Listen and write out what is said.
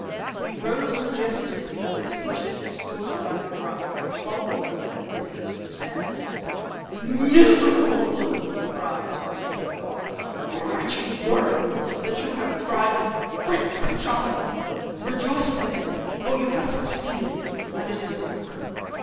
He rose majestically, though with features distorted by the drug, and followed the boy with hasty steps. "Miserable one!" cried he to Mr. Feathercock. "Wretched worm, you have tried to break the charm! Rejoice then, for you have succeeded and it is broken.